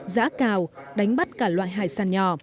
giã cào đánh bắt cả loại hải sản nhỏ